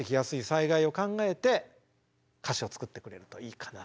災害を考えて歌詞を作ってくれるといいかなと思いますね。